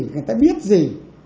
người ta biết gì